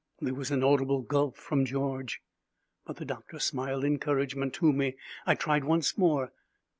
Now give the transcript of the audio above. There was an audible gulp from George. But the doctor smiled encouragement to me. I tried once more.